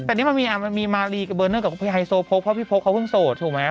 แต่นี่มันมีมารีกับเบอร์เนอร์กับไฮโซโพกเพราะพี่พกเขาเพิ่งโสดถูกไหม